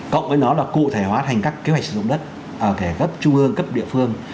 cộng với nó là cụ thể hóa thành các kế hoạch sử dụng đất ở thể cấp trung ương cấp địa phương